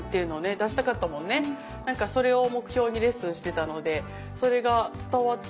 なんかそれを目標にレッスンしてたのでそれが伝わって。